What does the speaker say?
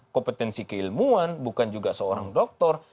kompetensi keilmuan bukan juga seorang dokter